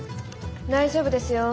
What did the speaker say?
大丈夫ですよ。